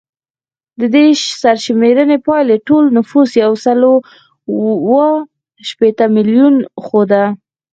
د دې سرشمېرنې پایلې ټول نفوس یو سل اووه شپیته میلیونه ښوده